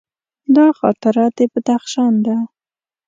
دا خاطره د بدخشان ده.